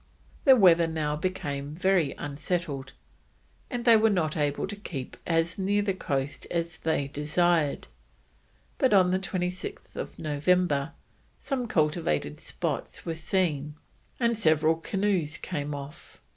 The weather now became very unsettled, and they were not able to keep as near the coast as they desired, but on 26th November some cultivated spots were seen, and several canoes came off.